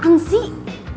aneh banget deh